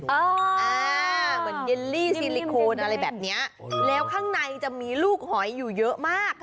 เหมือนเยลลี่ซิลิโคนอะไรแบบนี้แล้วข้างในจะมีลูกหอยอยู่เยอะมาก